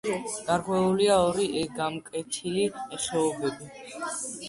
გარღვეულია ორი გამკვეთი ხეობით.